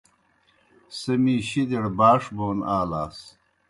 سہ می شِدِیْڑ باݜ بون آلاس۔